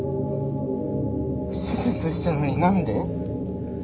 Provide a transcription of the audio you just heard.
手術したのに何で？